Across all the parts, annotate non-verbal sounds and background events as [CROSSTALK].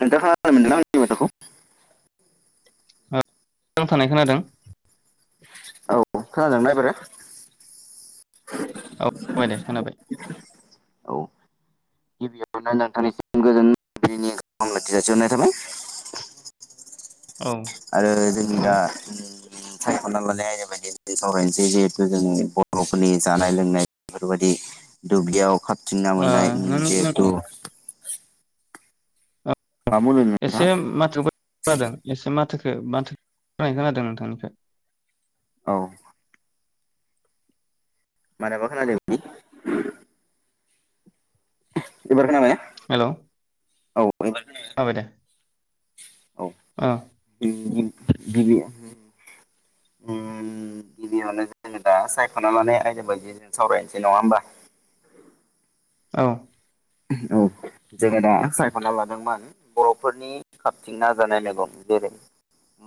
नोंथांहा [UNINTELLIGIBLE] आंनि माथोखौ अ नांथानाय खोनादों औ खोनादोंना एबारो? औ बाय दे खोनाबाय औ गिबियावनो नोंथांनिसिम गोजोन हरनाय थाबाय औ आरो जोंनि दा खोनाबाय [INAUDIBLE] सायखना लानाया [INAUDIBLE] ओरबायदि सावरायनोसै जिहेथु जोंनि बरफोरनि जानाय लोंनाय बेफोरबादि दुब्लियाव थिं ना मोननाय ओ उम नोंनि नों जेहेथु बुंदों [INAUDIBLE] नोंथाङा एसे माथो [INAUDIBLE] एसे माथो माथो [INAUDIBLE] खोनादो नोंथांनिखो औ। माने [INAUDIBLE] एबार खोनाबाय? हेलौ औ एबार बाय दे औ [UNINTELLIGIBLE] गिबि उम उम गिबियावनो जोङो दा सायखना लानाय आयदा बायदि जों सावरायनोसै नङा होमबा? औ। [UNINTELLIGIBLE] औ जोंङो दा सायखना लादोंमोन बर'फोरनि खाबथिंना जानाय मेगं जेरै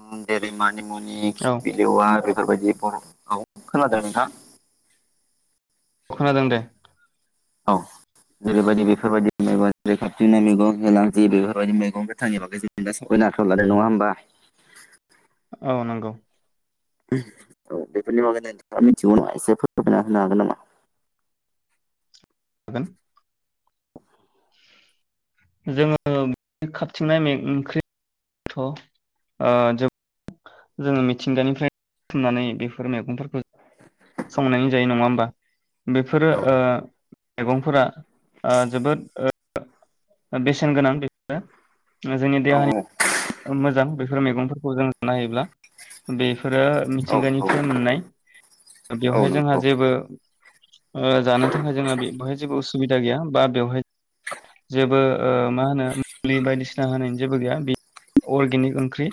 उम जेरै [INAUDIBLE] नि मुनि औ [UNINTELLIGIBLE] बिलेवा बेफोरबायदि बर फोरखौ खोनादों नोंथां? औ खोनादों दे। औ जेरैबायदि बेफोरबायदि मैग जै खाथिंनाय मैगं मैलां जि बेफोरबायदि मैगं गोथांनि बागै जों दा सावराइनो आखायाव लादों नंङा होमबा? मावनांगौ उम औ बेफोरनि बागै नोंथाङा मिथिगौ ना एसे फायना होनो हागोन नामा? गोन जोङो खाबथिंनाय मे ओंख्रि थ ओ जोङो मिथिंगानिफ्राय बुथुमनानै बेफोर मेगंफोर [UNINTELLIGIBLE] संनायनि जायो नंङा होमबा? बेफोरो ओ मेगंफोरा ओ जोबोद ओ बेसेन गोनां बे ओ जोंनि देहानि मोजां बेफोर मेगंफोरखौ जों जानो हायोब्ला बे फोरा मिथिंगानिफ्राय मोननाय बेवहाय जोंहा जेबो ओ जानो थाखाय जोंहा बेवहाय जेबो उसुबिदा गैया बा बेवहाय जेबो ओ मा होनो मुलि बायदिसिना होनायनि जेबो गैया अर्गेनिक ओंख्रि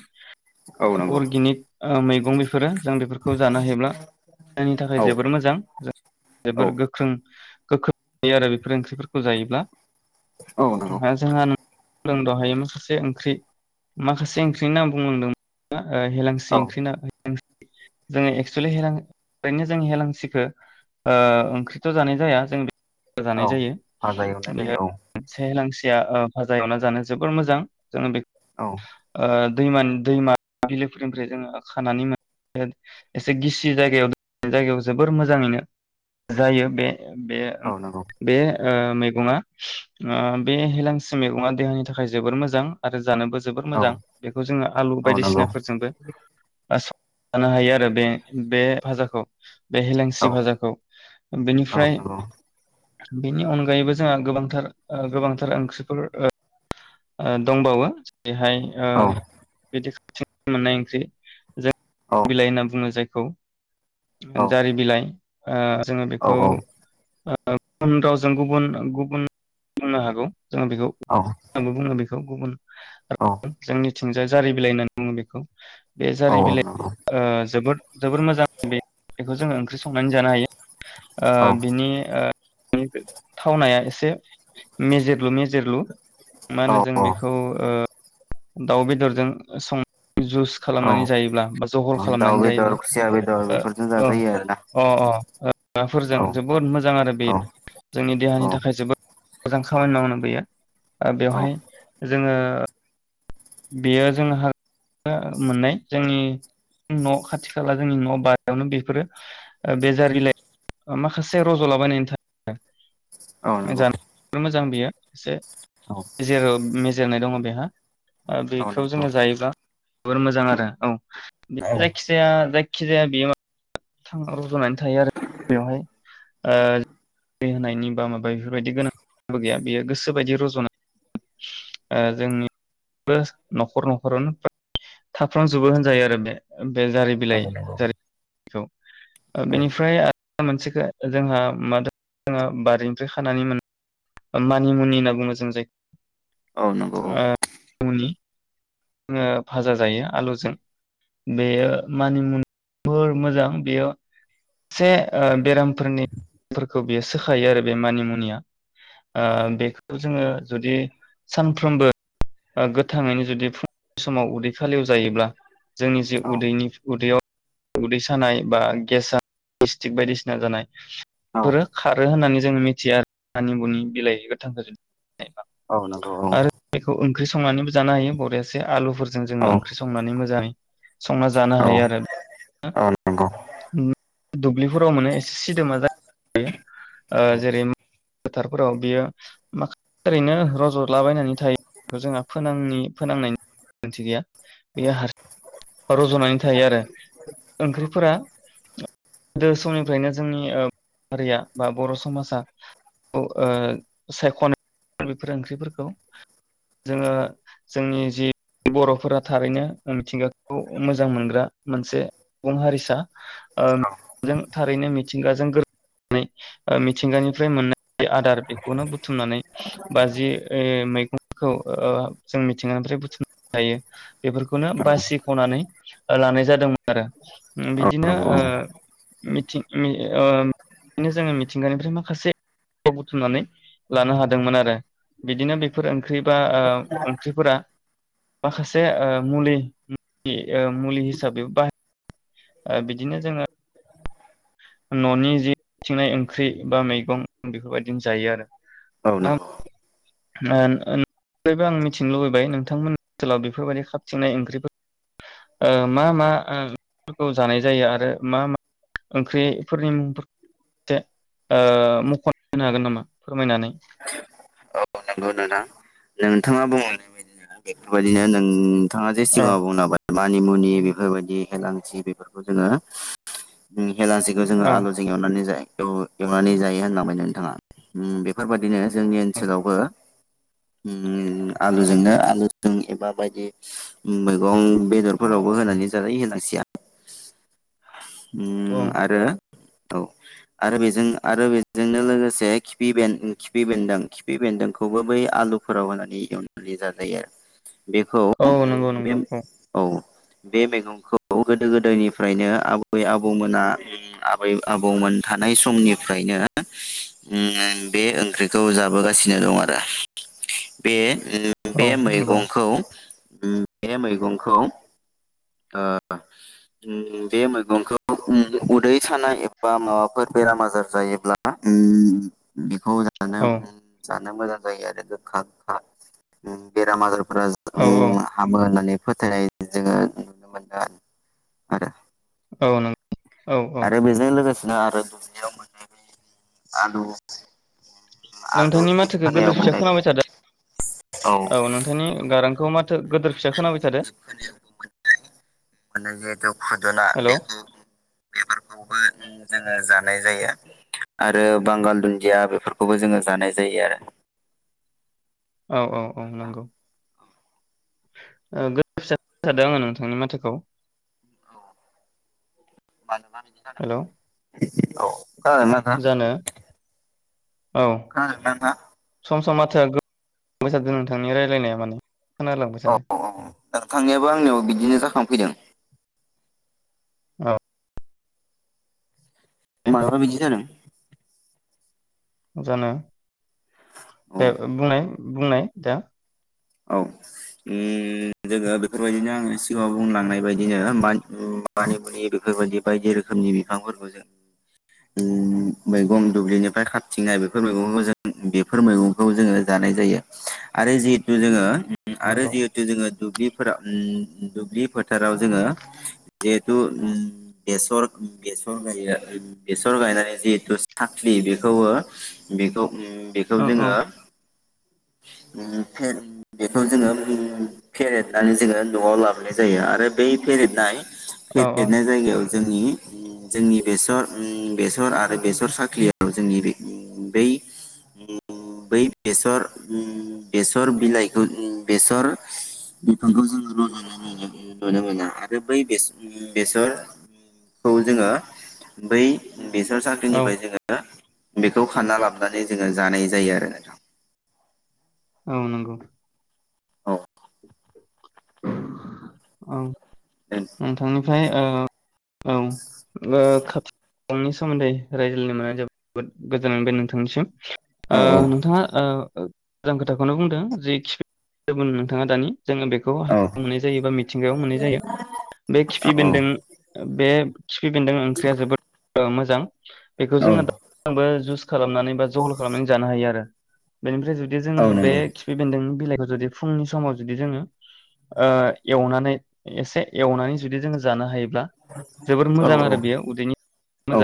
हागोन नामा औ नंगौ औ नंगौ अर्गेनिक ओ मैगं गं बेफोरो जों बेफोरखौ जानो हायोब्ला जोंनि थाखाय औ जोबोर मोजां जो औ जोबोर गोख्रों गोख्रों थारो आरो बेफोर ओंख्रिफोरखौ जायोब्ला। औ नंगौ दा जोंहा दहाय माखासे ओंख्रि माखासे ओंख्रिनि नाम बुं [UNINTELLIGIBLE] ओ हेलांसि औ ओंख्रि ना जोङो एक्सेलि हेलां ओरैनो जों हेलांसिखो ओ ओंख्रिथ जानाय जाया जों जानाय जायो फाजा एवनाय बेयो जायो औ। मोनसे हेलांसिया ओ फाजा एवना जानो जोबोर मोजां जों बे औ ओ दैमान दैमा बिलोफोरनिफ्राय जोङो खानानै मोनो एसे गिसि जायगायाव जायगायाव जोबोर मोजाङैनो जायो बे बे ओ औ नंगौ बे ओ मेगङा ओ बे हेलेंसि मेगङा देहानि थाखाय जोबोर मोजां। आरो जानोबो जोबोद मोजां औ बेखौ जोङो आलु औ बायदि नंगौ सिनाफोरजोंबो जानो हायो आरो बे बे भाजाखौ। बे औ हेलांसि भाजाखौ बेनिफ्राय नंगौ बेनि अनगायैबो जोंहा गोबांथार ओ गोबांथार ओंख्रिफोर ओ ओ दंबावो। बेहाय ओ औ बिदि [UNINTELLIGIBLE] मोननाय ओंख्रि जों औ बिलाइ होनना बुंनाय जाय औ जारि बिलाइ ओ जोङो औ बेखौ ओ ओ गुबुन रावजों गुबुन गुबुन बुंनो हागौ। जों बिखौ औ जों बिखौ गुबुन औ जोंनि थिंजाय जारि बिलाइ होननानै बुङो बेखौ। बे औ जारि बिलाइ नंगौ ओ जोबोर जोबोर मोजां बे बेखौ जोङो ओं ओंख्रि संनानै जानो हायो। ओ औ बिनि ओ [UNINTELLIGIBLE] थावनाया एसे मेजेरल' मेजेर मा औ होनो जों बेखौ ओ दाउ बेदरजों सं जुस औ खालामनानै जायोब्ला बा जहल दाउ खालामनानै बेदर जायोब्ला खुसिया बेदर बेफोरजों ओ जाजायो आरोना अ अ अ औ राफोरजों जोबोद मोजां आरो बे जोंनि औ देहानि थाखाय जोबोद मोजां खामानि मावनो बैयो ओ औ बेवहाय जोङो। बेयो जोंहा ओमोननाय जोंनि न' खाथि खाला जोंनि न' बारियावनो बेफोरो बेजार बिलाइ माखासे रज'लाबायनानै था औ नंगौ जानो मोजां बेयो एसे औ मेजेर मेजेरनाय दङ बेहा। ओ औ बेखौ नंगौ जोङो जायोब्ला जोबोर मोजां आरो औ औ बे जायखिजाया जायखिजाया बेयो रज'नानै थायो आरो बेवहाय ओ दै होनायनि बा माबा बेफोरबायदि गोनां गैया बेयो गोसो बायदि रज'नानै ओ जोंनि न'खर न'खरावनो थाफ्राजोबो होनजायो आरो बे बे जारि औ बिलाइ नंगौ जारि जारिखौ ओ औ बेनिफ्राय आरो मोनसेखो जोंहा मा जोंहा बारिनिफ्राय खानानै मोन मानिमुनि होनना बुङो जों जाय औ नंगौ औ फुंनि। जोङो भाजा जायो आलुजों औ बेयो मानिमुनि मोजां बेयो से ओ बेरामफोरनि फोरखौ बेयो सोखायो आरो बे मानिमुनिया ओ बेखौ जोङो जुदि सानफ्रोमबो गोथाङैनो जुदि फुं समाव उदै खालियाव जायोब्ला जोंनि जे औ उदैनि उदैयाव उदै सानाय बा गेसा गेसस्टिक बायदिसिना जानाय बेफोरो खारो होननानै जोङो मिथिया आरो मानिमुनि बिलाइ गोथां [UNINTELLIGIBLE] औ नंगौ आरो बेखौ ओं। ओंख्रि संनानैबो जानो हायो बरिया से आलु। फोरजों औ जोंङो औ ओंख्रि संनानै मोजाङै। संना जानो औ हायो आरो औ नंगौ ओम। दुब्लि फो [UNINTELLIGIBLE] माने सिदोमा जा [UNINTELLIGIBLE] ओ जेरै फोथारफोराव बियो माखा ओरैनो रजलाबायनानै थायो जोंहा फोनांनि फोनांनाय मोनथि गैया बेयो हार रजनानै थायो आरो ओंख्रिफोरा दो समनिफ्रायनो जोंनि ओ हारिया बा बर समाजा औ ओ सायखनाय बेफोर ओंख्रिफोरखौ जोङो जोंनि जि बरफोरा थारैनो मिथिंगा। खौ मोजां मोनग्रा मोनसे सुबुं हारिसा ओ जों थारैनो मिथिंगाजों गोरोब नानै ओ मिथिंगानिफ्राय मोननाय आदार बेखौनो बुथुमनानै बा जि ओ मैगंखौ ओ जों मिथिंगानिफ्राय बुथुमनो हायो बेफोरखौनो बासि। हनानै लानाय जादोंमोन आरो ओम बिदिनो ओ मिथिं [UNINTELLIGIBLE] मिथिंगानिफ्राय माखासे बुथुमनानै लानो हादोंमोन आरो बिदिनो बेफोर ओंख्रि बा ओ ओंख्रिफोरा माखासे ओ मुलि। [UNINTELLIGIBLE] मुलि हिसाबैबो [UNINTELLIGIBLE] बिदिनो जोङो ननि जि थिंनाय ओंख्रि बा मैगं बेफोरबायदिनो जायो औ आरो। नंगौ [UNINTELLIGIBLE] मिथिनो लुबैबाय नोंथांमोननि ओनसोलाव बेफोरबायदि खाबथिंनाय ओंख्रि ओ मा मा ओंख्रिफोरखौ जानाय जायो आरो मा मा ओंख्रिफोरनि मुंफोरखौ से ओ मख होनो हागोन नामा फोरमायनानै? औ नंगौ नोंथां नोंथाङा बुं [UNINTELLIGIBLE] बेफोरबादिनो नों थाङा जेसे औ [UNINTELLIGIBLE] मानिमुनि बेफोरबायदि हेलांसि बेफोरखौ जोङो होम [UNINTELLIGIBLE] हेलांसिखौ जोङो औ आलुजों एवनानै जायो। एव एवनानै जायो होनलाबाय नोंथाङा उम बेफोरबायदिनो जोंनि ओनसोलावबो। उम आलुजोंनो आलुजों एबा बायदि मैगं बेदरफोरावबो होनानै जायो हेलांसिआ। औ उम आरो औ आरो बेजों आरो बेजोंनो लोगोसे खिफि बेन खिफि बेन्दों खिफ बेन्दोंख बेखौबो बै आलुफोराव होनानै एवनानै जाजायो आरो। बेखौ औ नंगौ बे नंगौ औ। बे मैगंखौ गोदो गोदायनिफ्रायनो आबै आबौमोना उम आबै आबौमोन थानाय समनिफ्रायनो उम बे ओंख्रिखौ जाबोगासिनो दं आरो। बे [UNINTELLIGIBLE] औ बे नंगौ मैगंखौ उम बे मैगंखौ ओ उम बे मैगंखौ उम उदै सानाय एबा माबाफोर बेराम आजार जायोब्ला उम [INAUDIBLE] ना औ मोजां। [UNINTELLIGIBLE] जायो आरो गोखा गोखा ओम बेराम आजार। [UNINTELLIGIBLE] ग्रास औ दं ओम हाबो होननानै। फोथायनाय जोङो नुनो मोनदों आरो। औ नं आरो बेजों लोगो ना आरो [UNINTELLIGIBLE] आलु आलु नोंथांनि जिब माथोखौ खोनायाव गोदोर फिसा मोननाय खोनाबाय थादो औ नोंथांनि गारांखौ माथो गोदोर फिसा खोनाबाय आलुनि थादो। माने जिहेतु फुदुना हेलौ बेखौ बेफोरखौबो जों जानाय जायो आरो बांगाल दुन्दिया बेफोरखौबो जोङो जानाय जायो आरो। औ औ औ नंगौ। ओ गोदोर फिसा खोनाबायथादों आङो नोंथांनि माथोखौ। मानो हेलौ खोनादों औ खोनादों जानो ना नोंथांआ औ खोनादों ना नोंथां [UNINTELLIGIBLE] नोंथांनि रायज्लायनाया माने खोनालांबाय औ थादों औ दा थांनायाबो आंनियाव बिदिनो जाखां फैदों। औ। दे मालाबा बिदि जादों। जानो दे औ ओ बुंनाय बुंनाय दा। औ ओम जोङो बेफोरबायदिनो आङो सिगाङाव बुंलांनाय बायदिनो मानि ओ मानिमुनि बेफोरबायदि बायदि रोखोमनि बिफांफोरखौ जों ओम मैगं दुब्लिनिफ्राय खाथिंनाय बेफोर मैगंखौ जों बेफोर मैगंखौ जोङो जानाय जायो आरो जि जि जोङो आरो नंगौ जिहेथु दुल्बि फोराव ओम दुब्लि फोथाराव जोङो जिहेथु ओम बेसर बेसर गायो। बेसर गायनानै जिहेथु साखलि बेखौबो बेखौ ओम बेखौ औ जोङो ओम फेर बेखौ जोङो फेरेदनानै जोङो नआव लाबोनाय जायो आरो बै फेरेदनाय [UNINTELLIGIBLE] औ जोंनि ओम जोंनि बेसर ओम बेसर आरो बेसर साख्लियाव जोंनि बै ओम बै बेसर ओम बेसर बिलाइखौ ओम बेसर बिफांखौ जोङो रजनाय नुनो मोनो। आरो बै बेस-बेसरखौ जोङो बै बेसर औ साख्लिनिफ्राय जोङो बेखौ खाना लाबोनानै जोङो जानाय जायो आरो नोंथां। ओं नंगौ। औ ओम। औ नोंथांनिफ्राय ओ औ ओ खा [UNINTELLIGIBLE] नि सोमोन्दै रायज्लायनो मोननानै जोबोद गोजोननाय मोनबाय नोंथांनिसिम। औ ओ नोंथाङा ओ ओ मोजां खोथाखौनो बुंदों जे [UNINTELLIGIBLE] मोन नोंथाङा दानि जोङो बेखौ औ हाग्रायाव मोननाय जायो बा मिथिंगायाव मोननाय जायो। बे औ खिफि बेन्दों ओ बेब खिफिबेनदों ओंख्रिया जोबोद ओ मोजां। [UNINTELLIGIBLE] बेखौ औ जोङो दाबो जुस खालामनानै बा जहल खालामनानै जानो हायो आरो। बेनि जुदि जोङो औ बे नंगौ खिफि बेन्दोंनि बिलाइखौ जुदि फुंनि समाव जुदि जोङो ओ एवनानै एसे एवनानै जुदि जोङो जानो हायो जोबोर मोजां आरो औ बेयो उदैनि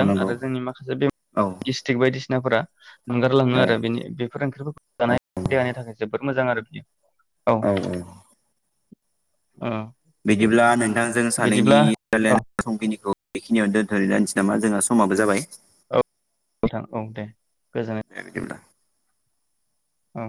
नंगौ औ औ औ औ अ बिदिब्ला नों जों सानैनि औ रायलायनाय समखिनिखौ बेखिनियावनो दोन्थनाय जानोसै नामा जोंहा समाबो जाबाय [UNINTELLIGIBLE] थां औ दे। गोजोननाय दे बिदिब्ला औ